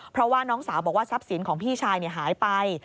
เพราะว่าน้องสาวบอกว่าทรัพย์สินของพี่ชายหายไป